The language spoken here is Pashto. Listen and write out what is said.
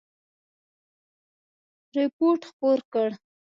رپوټ خپور کړ.